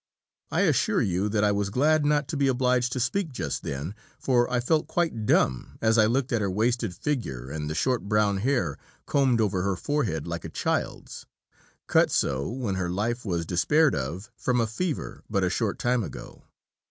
I assure you that I was glad not to be obliged to speak just then, for I felt quite dumb as I looked at her wasted figure and the short brown hair combed over her forehead like a child's, cut so when her life was despaired of from a fever but a short time ago.